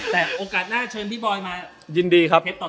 แต่โอกาสหน้าเชิญพี่บอยมาเทปต่อบอกดีนะครับ